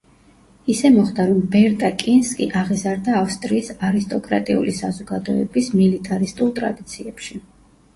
ისე მოხდა, რომ ბერტა კინსკი აღიზარდა ავსტრიის არისტოკრატიული საზოგადოების მილიტარისტულ ტრადიციებში.